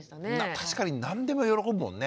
確かに何でも喜ぶもんね。